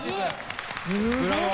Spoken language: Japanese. すごい！